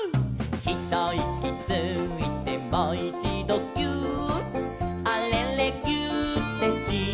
「ひといきついてもいちどぎゅーっ」「あれれぎゅーってしたら」